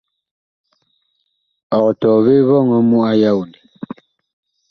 Ɔg tɔɔ vee vɔŋɔ mu a yaodɛ ?́.